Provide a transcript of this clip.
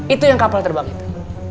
itu yang kapal terbang itu